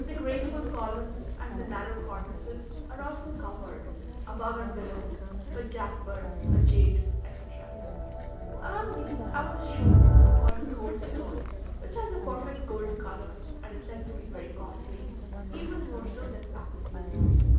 The graceful columns and the narrow cornices are also covered, above and below, with jasper, agate, etc. Among these, I was shown the so called "goldstone," which has a perfect gold colour, and is said to be very costly, even more so than lapis lazuli.